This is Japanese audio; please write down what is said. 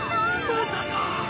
まさか！？